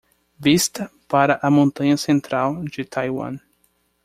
Vista para a montanha central de Taiwan